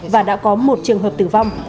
và đã có một trường hợp tử vong